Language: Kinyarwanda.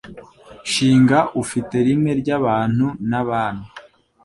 Shinga ufite ishimwe Ry’abantu n’abami,